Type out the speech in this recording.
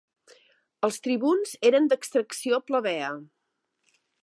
Els tribuns eren d'extracció plebea.